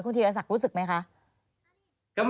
คุณธิฤษักษ์รู้สึกไหมคะ